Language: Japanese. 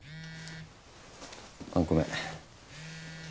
あっごめん。